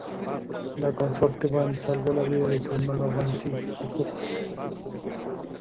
La Consorte Ban salvó la vida de su hermano Ban Zhi acusado de traición.